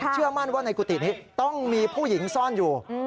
เชื่อมั่นว่าในกุฏินี้ต้องมีผู้หญิงซ่อนอยู่